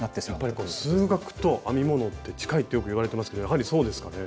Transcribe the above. やっぱり数学と編み物って近いってよくいわれてますけどやはりそうですかね？